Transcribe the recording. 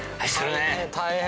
大変。